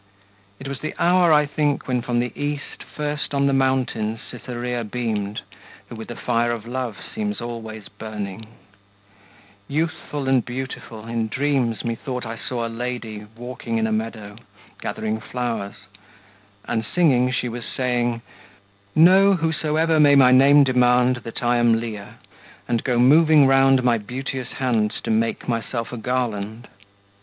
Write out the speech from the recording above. It was the hour, I think, when from the East First on the mountain Citherea beamed, Who with the fire of love seems always burning; Youthful and beautiful in dreams methought I saw a lady walking in a meadow, Gathering flowers; and singing she was saying: "Know whosoever may my name demand That I am Leah, and go moving round My beauteous hands to make myself a garland.